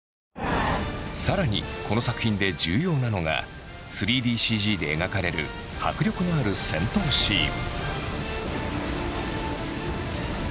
さらにこの作品で重要なのが３ＤＣＧで描かれる迫力のある戦闘シーン。